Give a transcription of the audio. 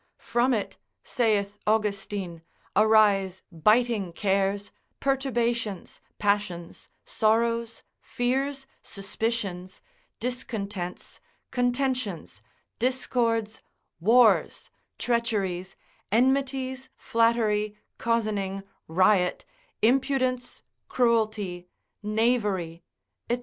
From it, saith Austin, arise biting cares, perturbations, passions, sorrows, fears, suspicions, discontents, contentions, discords, wars, treacheries, enmities, flattery, cozening, riot, impudence, cruelty, knavery, &c.